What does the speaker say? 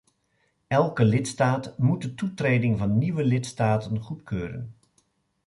Elke lidstaat moet de toetreding van nieuwe lidstaten goedkeuren.